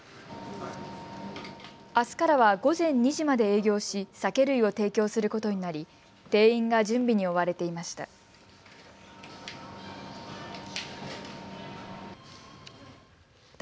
あすからは午前２時まで営業し酒類を提供することになり店員が準備に追われていました。